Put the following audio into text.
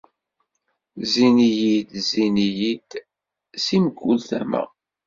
Zzin-iyi-d, zzin-iyi-d si mkul tama.